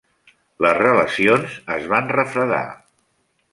Les relacions es van refredar.